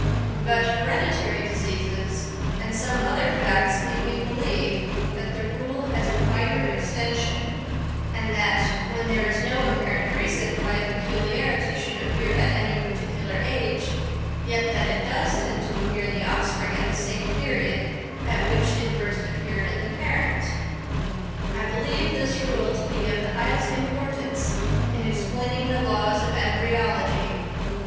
But hereditary diseases and some other facts make me believe that the rule has a wider extension, and that, when there is no apparent reason why a peculiarity should appear at any particular age, yet that it does tend to appear in the offspring at the same period at which it first appeared in the parent. I believe this rule to be of the highest importance in explaining the laws of embryology.